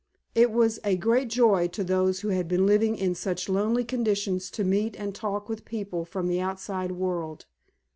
It was a great joy to those who had been living in such lonely conditions to meet and talk with people from the outside world.